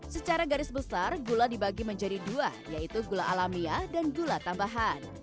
secara garis besar gula dibagi menjadi dua yaitu gula alamiah dan gula tambahan